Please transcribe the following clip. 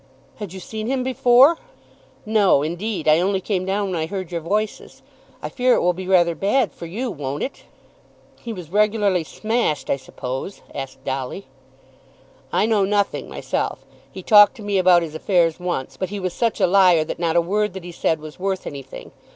"Had you seen him before?" "No indeed. I only came down when I heard your voices. I fear it will be rather bad for you; won't it?" "He was regularly smashed, I suppose?" asked Dolly. "I know nothing myself. He talked to me about his affairs once, but he was such a liar that not a word that he said was worth anything.